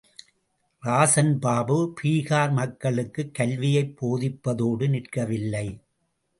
ராஜன்பாபு பீகார் மக்களுக்கு கல்வியைப் போதிப்பதோடு நிற்கவில்லை.